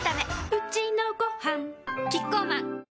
うちのごはんキッコーマン